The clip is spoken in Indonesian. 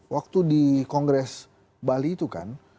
waktu di kongres bali itu kan